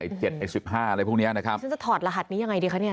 ไอ้สิบห้าอะไรพวกเนี้ยนะครับฉันจะถอดรหัสนี้ยังไงดีคะเนี่ย